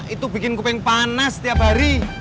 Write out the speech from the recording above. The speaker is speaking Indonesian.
itu bikin kuping panas setiap hari